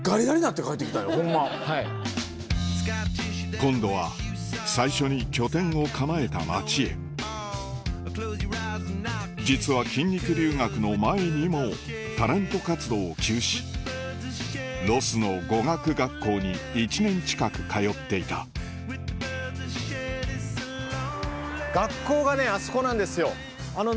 今度は最初に拠点を構えた街へ実は筋肉留学の前にもタレント活動を休止ロスの語学学校に１年近く通っていたうわ